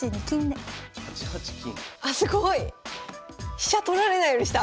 飛車取られないようにした！